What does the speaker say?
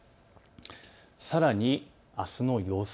さらに、あすの予想